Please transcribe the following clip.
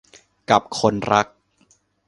กับคนรัก